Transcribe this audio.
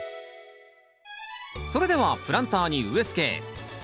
それではプランターに植え付け。